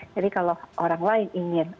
jadi kalau orang lain ingin